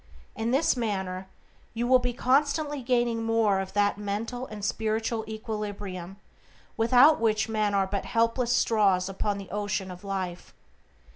In this manner you will be continually gaining more of that mental and spiritual equilibrium without which men are but helpless straws upon the ocean of life.